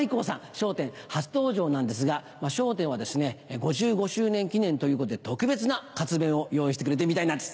『笑点』初登場なんですが『笑点』はですね５５周年記念ということで特別な活弁を用意してくれてるみたいなんです。